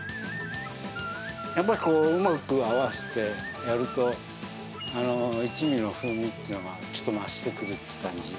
やっぱりうまく合わせてやると、一味の風味っていうのが増してくるっていう感じで。